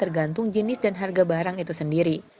tergantung jenis dan harga barang itu sendiri